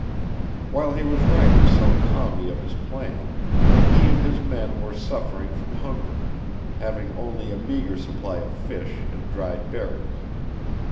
While he was writing so calmly of his plan, he and his men were suffering from hunger, having only a meagre supply of fish and dried berries.